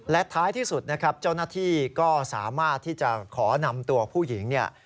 และท้ายที่สุดนะครับเจ้าหน้าที่ก็สามารถที่จะขอนำตัวผู้หญิงเนี่ย